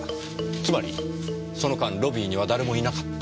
つまりその間ロビーには誰もいなかった？